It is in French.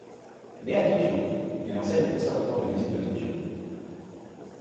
Né à Tokyo, il enseigne au Conservatoire de musique de Tokyo.